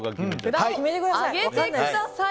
待ってください！